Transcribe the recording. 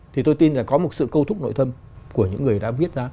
thì tôi tin là có một sự câu thúc nội thâm của những người đã viết ra